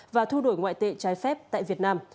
và thu đổi ngoại tệ trái phép tại việt nam